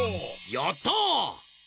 やった！